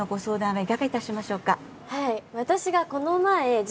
はい。